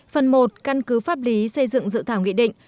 phần một căn cứ pháp lý xây dựng dự thảo nghị định